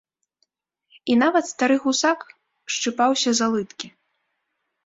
І нават стары гусак шчыпаўся за лыткі.